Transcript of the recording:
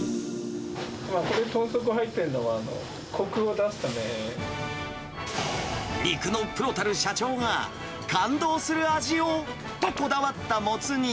豚足が入ってるのは、こくを肉のプロたる社長が、感動する味をとこだわったモツ煮。